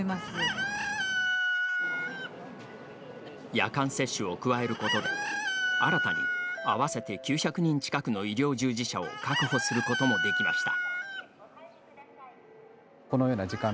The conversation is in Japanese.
夜間接種を加えることで新たに、合わせて９００人近くの医療従事者を確保することもできました。